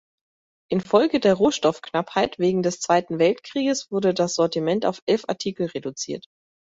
Infolge der Rohstoffknappheit wegen des Zweiten Weltkrieges wurde das Sortiment auf elf Artikel reduziert.